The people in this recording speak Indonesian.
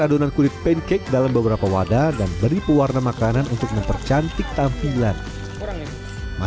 sorghum yang telah terfermentasi selama satu jam